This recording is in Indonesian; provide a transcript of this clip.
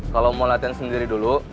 kalau mau latihan sendiri dulu